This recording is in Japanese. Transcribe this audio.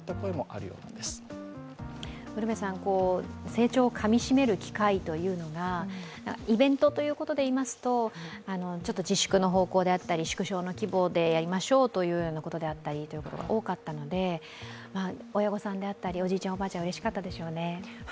成長をかみ締める機会というのがイベントということでいいますと、ちょっと自粛の方向であったり縮小の規模でやりましょうというようなことであったりというのが多かったので、親御さん、おじいちゃん、おばあちゃん、うれしかったでしょうね。